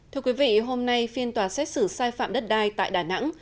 thưa quý vị hôm nay phiên tòa xét xử sai phạm đất đai tại đà nẵng